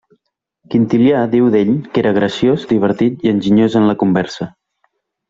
Quintilià diu d'ell que era graciós, divertit i enginyós en la conversa.